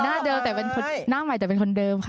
หน้าเดิมแต่เป็นคนหน้าใหม่แต่เป็นคนเดิมค่ะ